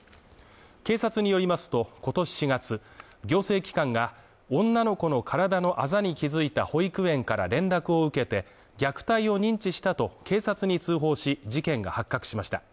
警察によりますと、今年４月、行政機関が女の子の体のアザに気づいた保育園から連絡を受けて虐待を認知したと警察に通報し事件が発覚しました。